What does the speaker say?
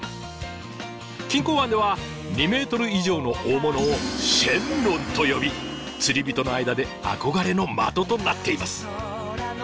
錦江湾では２ｍ以上の大物を「神龍」と呼び釣りびとの間で憧れの的となっています。